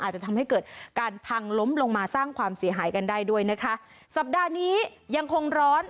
อาจจะทำให้เกิดการพังล้มลงมาสร้างความเสียหายกันได้ด้วยนะคะสัปดาห์นี้ยังคงร้อน